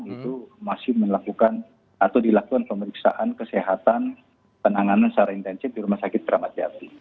itu masih melakukan atau dilakukan pemeriksaan kesehatan penanganan secara intensif di rumah sakit keramat jati